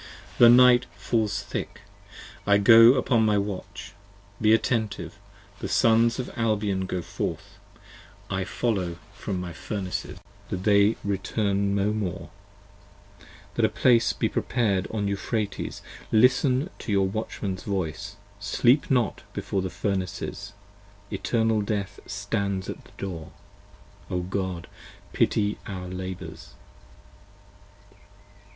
The night falls thick: I go upon my watch: be attentive: The Sons of Albion go forth; I follow from my Furnaces, 103 That they return no more: that a place be prepared on Euphrates. Listen to your Watchmans voice: sleep not before the Furnaces: 65 Eternal Death stands at the door. O God, pity our labours.